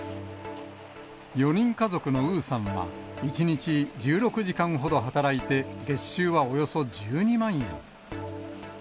４人家族のウーさんは、１日１６時間ほど働いて、月収はおよそ１２万円。